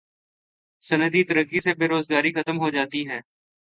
صنعتی ترقی سے بے روزگاری ختم ہوتی ہے